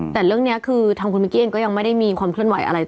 แต่เรื่องนี้คือทางคุณมิกกี้เองก็ยังไม่ได้มีความเคลื่อนไหวอะไร